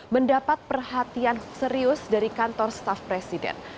mendapat perhatian serius dari kantor staff presiden